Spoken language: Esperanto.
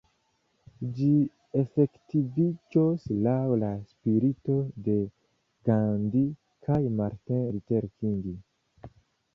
Ĝi efektiviĝos laŭ la spirito de Gandhi kaj Martin Luther King.